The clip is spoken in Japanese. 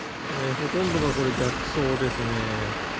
ほとんどがこれ逆走ですね。